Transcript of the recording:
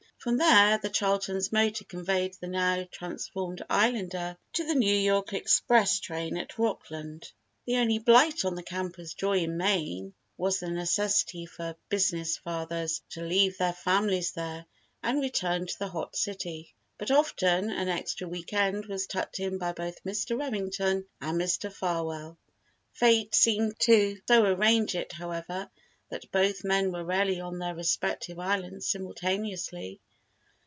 From there, the Charlton's motor conveyed the now transformed Islander to the New York express train at Rockland. The only blight on the camper's joy in Maine was the necessity for "business fathers" to leave their families there and return to the hot city. But often, an extra week end was tucked in by both Mr. Remington and Mr. Farwell. Fate seemed to so arrange it however, that both men were rarely on their respective islands simultaneously.